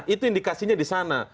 itu indikasinya disana